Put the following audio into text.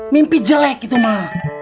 mimpi jelek itu mah